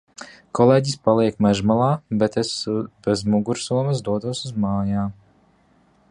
Kolēģis paliek mežmalā, bet es bez mugursomas dodos uz mājām.